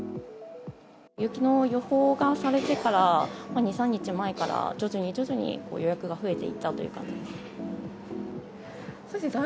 雪の予報がされてから、２、３日前から徐々に徐々に予約が増えていったという感じです。